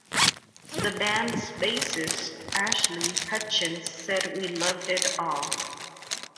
The band's bassist, Ashley Hutchings, said We loved it all.